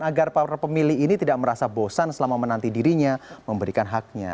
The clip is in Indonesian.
agar para pemilih ini tidak merasa bosan selama menanti dirinya memberikan haknya